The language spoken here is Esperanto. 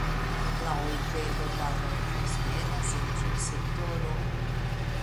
La urbego daŭre prosperas en tiu sektoro.